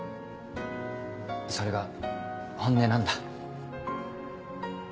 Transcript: それが本音なんだ。